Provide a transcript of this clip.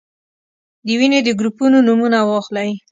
د وینې د ګروپونو نومونه واخلئ.